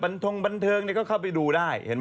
บันทึงบันเทิงก็เข้าไปดูได้